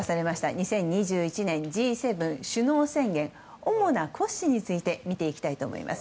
２０２１年Ｇ７首脳宣言主な骨子について見ていきたいと思います。